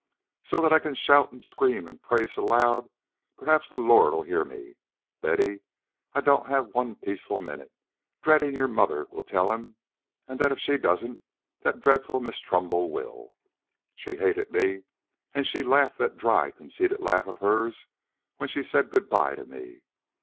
"So that I can shout and scream and pray so loud perhaps the Lord'll hear me. Betty, I don't have one peaceful minute, dreading your mother will tell him, and that if she doesn't that dreadful Miss Trumbull will. She hated me, and she laughed that dry conceited laugh of hers when she said good bye to me.